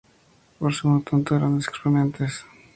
Son por tanto grandes exponentes de la cultura cubana.